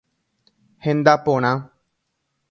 Henda porã.